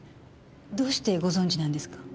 どうしてご存じなんですか？